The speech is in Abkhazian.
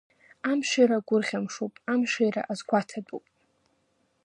Амшира гәырӷьамшуп, амшира азгәаҭатәуп.